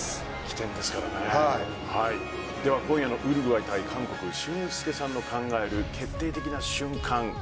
今夜のウルグアイ対韓国俊輔さんの考える決定的な俊感。